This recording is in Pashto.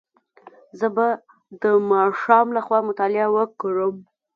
زه به د ماښام له خوا مطالعه وکړم.